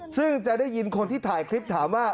ซึ่งจะได้ยินคนที่ถ่ายคลิปถามว่า